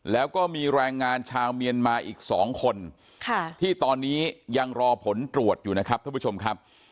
แล้วก็มีแรงงานชาวเมียนมาอีก๒คนที่ตอนนี้ยังรอผลตรวจอยู่นะครับท่านผู้ชมครับ